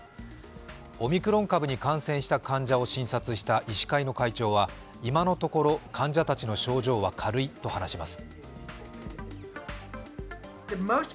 オミクロン株に感染した患者を診察した医師会の会長は今のところ患者たちの症状は軽いと話します。